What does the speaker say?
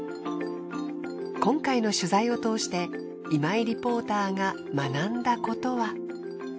今回の取材を通して今井リポーターが学んだことは。